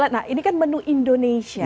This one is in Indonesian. nah ini kan menu indonesia